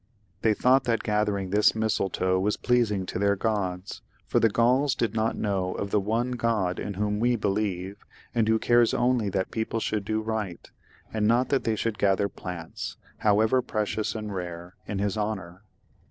They thought that gathering this mistletoe was pleasing to their gods, for the Gauls did not know of the one God in whom we believe, and who cares only that people should do right, and not that they should gather plants, however precious and rare, in His honour.